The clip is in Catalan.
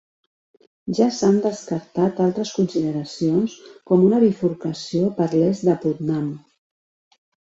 Ja s'han descartat altres consideracions, com una bifurcació per l'est de Putnam.